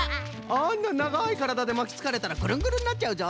あんなながいからだでまきつかれたらぐるんぐるんになっちゃうぞ。